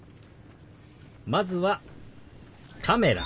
まずは「カメラ」。